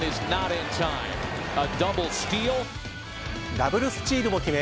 ダブルスチールも決め。